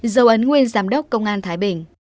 dầu ấn nguyên giám đốc công an thái bình